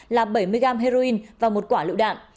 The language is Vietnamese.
là bảy mươi gram heroin và một quả lựu đạn